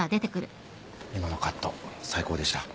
今のカット最高でした。